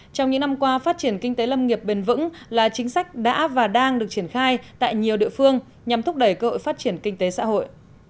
trong những năm qua phát triển kinh tế lâm nghiệp bền vững là chính sách đã và đang được triển khai tại nhiều địa phương nhằm thúc đẩy cơ hội phát triển kinh tế xã hội